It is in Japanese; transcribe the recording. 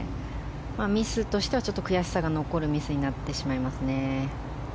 ミスとしては悔しさが残るミスになってしまいますね。